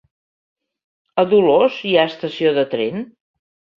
A Dolors hi ha estació de tren?